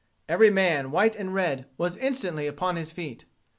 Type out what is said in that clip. Every man, white and red, was instantly upon his feet.